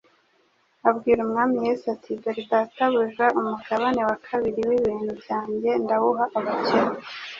abwira Umwami Yesu ati: «Dore Databuja, umugabane wa kabiri w'ibintu byanjye ndawuha abakene,